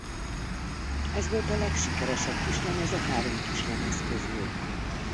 Ez volt a legsikeresebb kislemez a három kislemez közül.